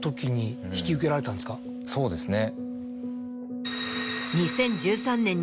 そうですね。